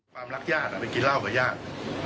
ความรักญาติไปกินเหล้ากับญาติ